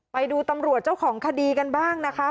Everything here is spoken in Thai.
ไปดูตำรวจเจ้าของคดีกันบ้างนะคะ